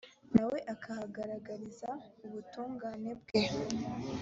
na we akahagaragariza ubutungane bwe.